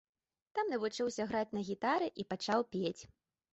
Там навучыўся граць на гітары і пачаў пець.